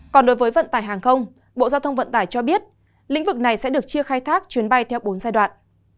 còn đối với vận tải hàng không bộ giao thông vận tải cho biết lĩnh vực này sẽ được chia khai thác chuyến bay theo bốn giai đoạn